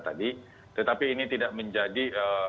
tadi tetapi ini tidak menjadi